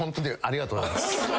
ありがとうございます。